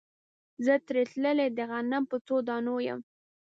زه ترټلي د غنم په څو دانو یم